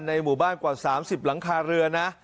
หมู่บ้านกว่า๓๐หลังคาเรือนะ